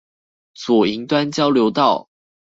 左營端交流道